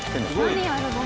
何やるの？